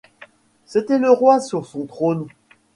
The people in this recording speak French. C’était le roi sur son trône.